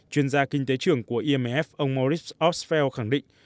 chuyên gia kinh tế trưởng của imf ông maurice offell khẳng định